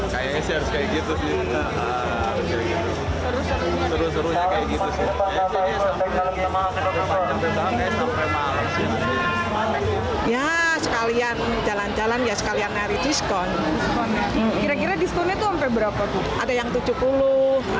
kira kira diskonnya itu sampai berapa